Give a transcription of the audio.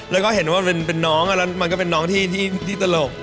แล้วก็เห็นว่าเป็นน้องแล้วมันก็เป็นน้องที่ตลก